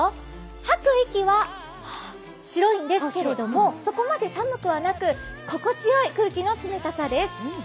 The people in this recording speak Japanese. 吐く息は白いんですけれども、そこまで寒くはなく、心地よい空気の冷たさです。